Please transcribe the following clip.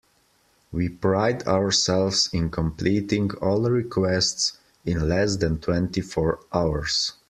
We pride ourselves in completing all requests in less than twenty four hours.